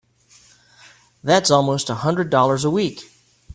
That's almost a hundred dollars a week!